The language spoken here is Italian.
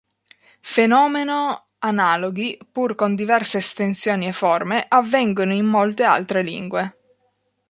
Fenomeno analoghi, pur con diverse estensioni e forme, avvengono in molte altre lingue.